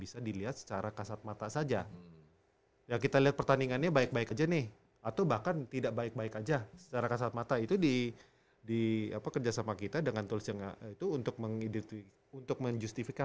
sampai jumpa di video selanjutnya